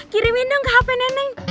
kirimin dong ke hp neneng